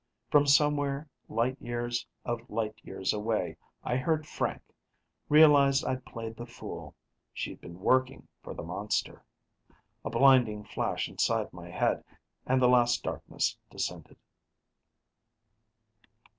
From somewhere, light years of light years away, I heard Frank, realized I'd played the fool: she'd been working for the monster. A blinding flash inside my head and the Last Darkness descended.